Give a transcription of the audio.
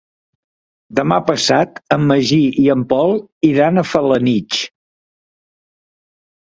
Demà passat en Magí i en Pol iran a Felanitx.